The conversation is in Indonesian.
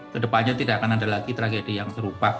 kedepannya tidak akan ada lagi tragedi yang serupa